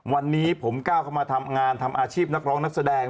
วันนี้ผมก้าวเข้ามาทำงานทำอาชีพนักร้องนักแสดง